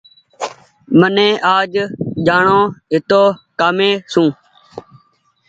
مني آج جآڻو هيتو ڪآمي سون